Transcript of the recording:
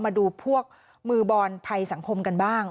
มาดูพวกมือบอลภัยสังคมกันบ้าง